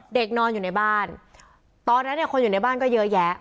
นอนอยู่ในบ้านตอนนั้นเนี่ยคนอยู่ในบ้านก็เยอะแยะ